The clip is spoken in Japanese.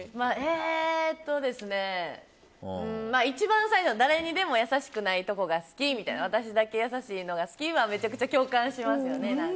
一番最初誰にでも優しくないとこが好き私だけ優しいのが好きはめちゃくちゃ共感しますよね。